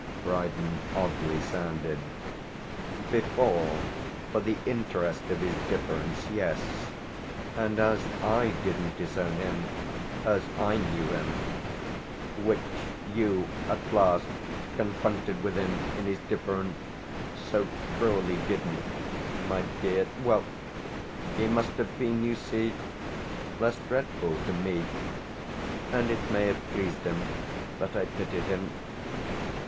Brydon oddly sounded. "Before, for the interest of his difference yes. And as I didn't disown him, as I knew him which you at last, confronted with him in his difference, so cruelly didn't, my dear, well, he must have been, you see, less dreadful to me. And it may have pleased him that I pitied him."